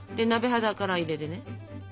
鍋肌から入れてね。